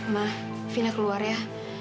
ma fina keluar ya